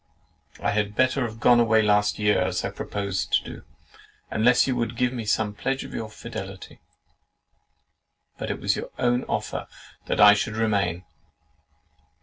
I had better have gone away last year, as I proposed to do, unless you would give some pledge of your fidelity; but it was your own offer that I should remain.